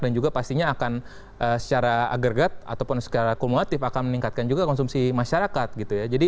dan juga pastinya akan secara agregat ataupun secara kumulatif akan meningkatkan juga konsumsi masyarakat